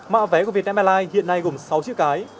mạ vé của việt mla hiện nay gồm sáu chữ cái